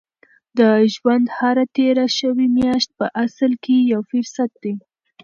د ژوند هره تېره شوې میاشت په اصل کې یو فرصت دی.